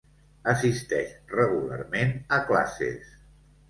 Assisteix regularment a classes